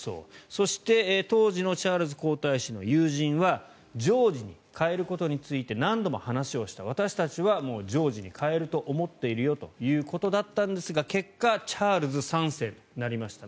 そして当時のチャールズ皇太子の友人はジョージに変えることについて何度も話をした私たちはジョージに変えると思っているよということだったんですが結果チャールズ３世となりました。